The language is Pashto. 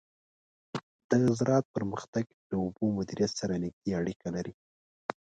د زراعت پرمختګ له اوبو مدیریت سره نږدې اړیکه لري.